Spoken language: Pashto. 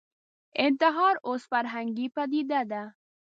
انتحار اوس فرهنګي پدیده ده